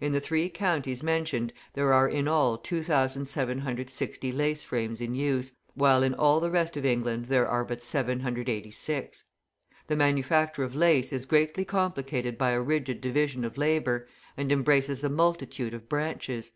In the three counties mentioned there are in all 2,760 lace frames in use, while in all the rest of England there are but 786. The manufacture of lace is greatly complicated by a rigid division of labour, and embraces a multitude of branches.